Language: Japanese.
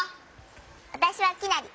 わたしはきなり。